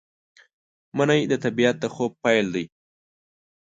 منی د طبیعت د خوب پیل دی